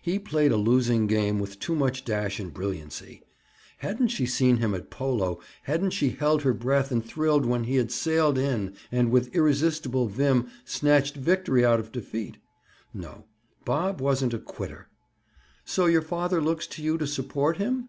He played a losing game with too much dash and brilliancy! Hadn't she seen him at polo—hadn't she held her breath and thrilled when he had "sailed in" and with irresistible vim snatched victory out of defeat? No; Bob wasn't a "quitter." "So your father looks to you to support him?"